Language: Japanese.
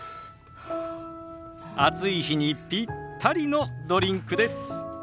暑い日にピッタリのドリンクです。